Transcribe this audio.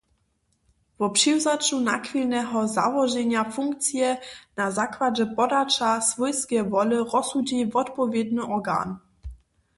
Wo přiwzaću nachwilneho złoženja funkcije na zakładźe podaća swójskeje wole rozsudźi wotpowědny organ.